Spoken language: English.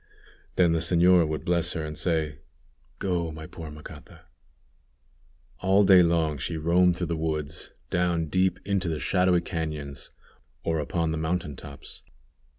Then the señora would bless her, and say, "Go, my poor Macata." All day long she roamed through woods, down deep into the shadowy cañons, or upon the mountain tops.